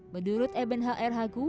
menurut eben h r hagu